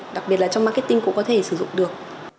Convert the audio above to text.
đặc biệt là trong marketing cũng có thể sử dụng được